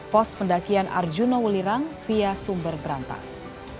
pos pendakian arjuna welirang via sumber berantas